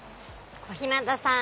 小日向さん